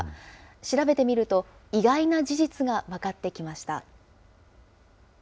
調べてみると、意外な事実が分かってきました。